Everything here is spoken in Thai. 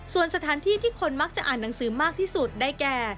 ส่วนสถานที่ที่คนมักจะอ่านหนังสือมากที่สุดได้แก่